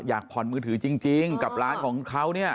อยากผ่อนมือถือจริงกับร้านของเขาเนี่ย